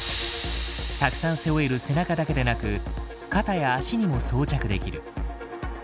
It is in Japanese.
たくさん背負える背中だけでなく肩や足にも装着できる。